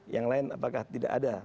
yang lain apakah tidak ada